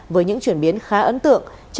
với những chuyển biến khá ấn tượng trên cả hai chỉ số